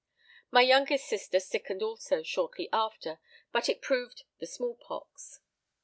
My youngest sister sickened also shortly after, but it proved the small pox.